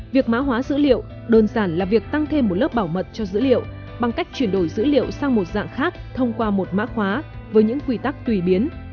việc mã hóa dữ liệu đơn giản là việc tăng thêm một lớp bảo mật cho dữ liệu bằng cách chuyển đổi dữ liệu sang một dạng khác thông qua một mã hóa với những quy tắc tùy biến